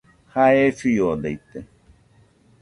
Jae fiodaite